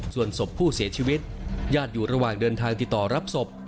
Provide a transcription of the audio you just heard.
ส่วนศพผู้เสียชีวิตญาติอยู่ระหว่างเดินทางติดต่อรับศพ